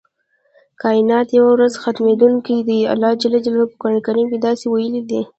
کائنات یوه ورځ ختمیدونکي دي الله ج په قران کې داسې ویلي دی.